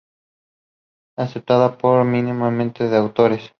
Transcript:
Aceptada por minoría de autores.